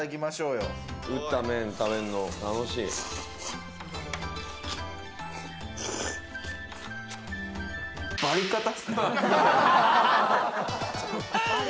打った麺、食べるの楽しい。